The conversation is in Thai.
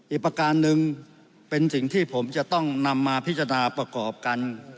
ประการหนึ่งเป็นสิ่งที่ผมจะต้องนำมาพิจารณาประกอบกัน